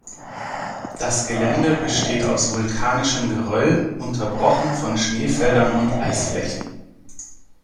Das Gelände besteht aus vulkanischem Geröll, unterbrochen von Schneefeldern und Eisflächen.